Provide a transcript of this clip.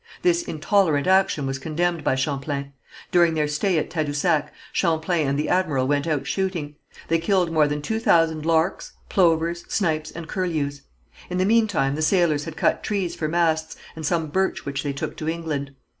This intolerant action was condemned by Champlain. During their stay at Tadousac Champlain and the admiral went out shooting. They killed more than two thousand larks, plovers, snipes and curlews. In the meantime the sailors had cut trees for masts, and some birch which they took to England.